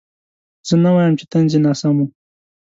زه نه وایم چې طنز یې ناسم و.